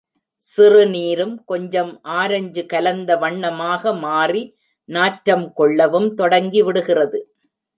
சிறுநீரும் கொஞ்சம் ஆரஞ்சு கலந்த வண்ணமாக மாறி நாற்றம் கொள்ளவும் தொடங்கி விடுகிறது.